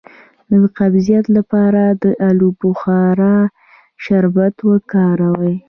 د قبضیت لپاره د الو بخارا شربت وکاروئ